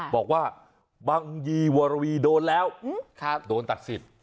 บอกว่าบังยีวรวีโดนแล้วโดนตัดสิทธิ์